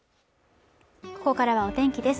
ここからはお天気です